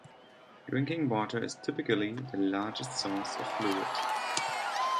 Drinking water is typically the largest source of fluoride.